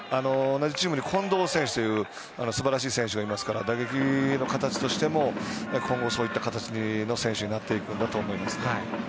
同じチームに近藤選手という素晴らしい選手がいますから打撃の形としても今後、そういった形の選手になっていくんだと思います。